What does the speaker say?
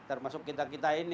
termasuk kita kita ini